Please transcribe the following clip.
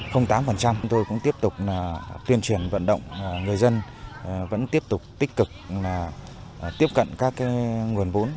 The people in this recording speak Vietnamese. chúng tôi cũng tiếp tục tuyên truyền vận động người dân vẫn tiếp tục tích cực tiếp cận các nguồn vốn